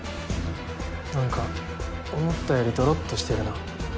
何か思ったよりどろっとしてるな。